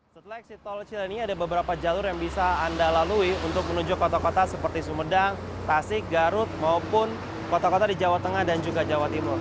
setelah eksit tol cileni ada beberapa jalur yang bisa anda lalui untuk menuju kota kota seperti sumedang tasik garut maupun kota kota di jawa tengah dan juga jawa timur